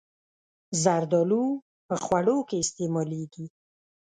زردالو په خوړو کې استعمالېږي.